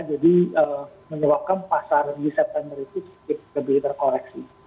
jadi menyebabkan pasar di september itu lebih terkoreksi